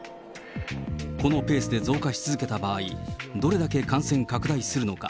このペースで増加し続けた場合、どれだけ感染拡大するのか。